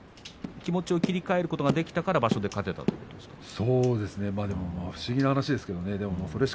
気持ちを切り替えることができたから場所で勝てたんですね。